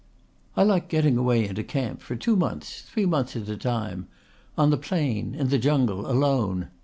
"I like getting away into camp for two months, three months at a time on the plain, in the jungle, alone.